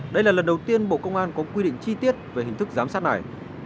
đây là lần đầu tiên bộ công an có quy định chi tiết về hình thức giám sát này